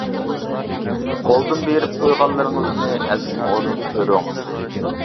قولدىن بېرىپ قويغانلىرىڭىزنى ئەسلىمە ئورنىدا كۆرۈڭ.